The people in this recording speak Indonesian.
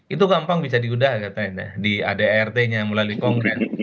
itu gampang bisa diudah katanya di adart nya melalui kongres